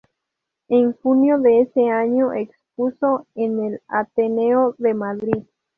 En junio de ese año expuso en el Ateneo de Madrid.